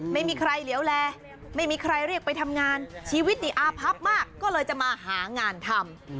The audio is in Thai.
ไม่มีใครเหลียวแลไม่มีใครเรียกไปทำงานชีวิตดีอาพับมากก็เลยจะมาหางานทำ